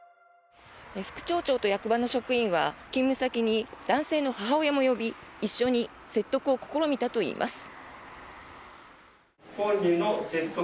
副町長と役場の職員は勤務先に男性の母親も呼び一緒に説得を試みたといいます。